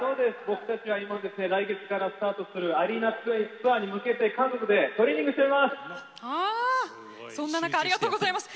僕たちは今ですね来月からスタートするアリーナツアーに向けて韓国でトレーニングしています！